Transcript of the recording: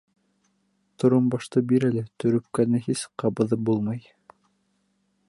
Торомбашты бир әле, төрөпкәне һис ҡабыҙып булмай.